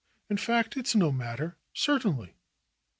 In fact it's no matter. Certainly."